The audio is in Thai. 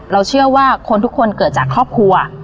เชื่อว่าคนทุกคนเกิดจากครอบครัว